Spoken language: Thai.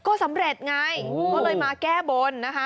ก็สำเร็จไงก็เลยมาแก้บนนะคะ